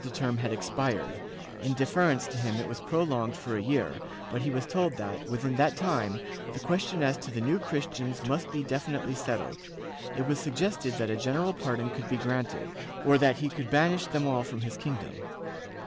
252 JEWS [Book VIII the term had expired: in deference to him it was prolonged for a year, but he was told that, within that time, the question as to the New Christians must be definitely settled; it was suggested that a general pardon could be granted, or that he could banish them all from his kingdom.